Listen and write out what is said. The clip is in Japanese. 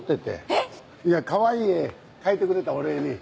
えっ！いやかわいい絵描いてくれたお礼に。